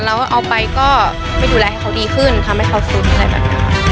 แล้วเอาไปก็ไปดูแลให้เขาดีขึ้นทำให้เขาสุดอะไรแบบนี้ค่ะ